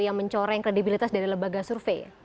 yang mencoreng kredibilitas dari lembaga survei